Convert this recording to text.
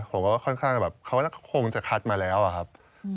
ผมก็ค่อนข้างแบบเขาก็คงจะคัดมาแล้วอะครับ